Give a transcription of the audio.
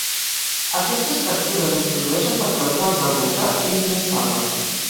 Aquestes fractures es produeixen perquè el flanc del volcà és inestable.